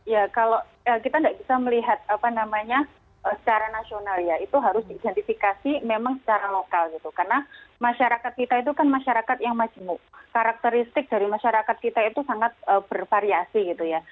ya kalau kita tidak bisa melihat apa namanya secara nasional ya itu harus diidentifikasi memang secara lokal gitu karena masyarakat kita itu kan masyarakat yang majemuk karakteristik dari masyarakat kita itu sangat bervariasi gitu ya